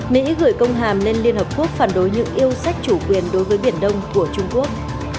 mỹ gửi công hàm lên liên hợp quốc phản đối những yêu sách chủ quyền đối với biển đông của trung quốc